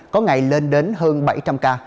có ngày lên đến hơn bảy trăm linh ca